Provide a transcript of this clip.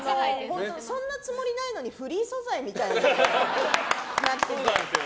そんなつもりないのにフリー素材みたいになってて。